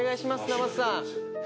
生瀬さん